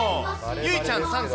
ゆいちゃん３歳。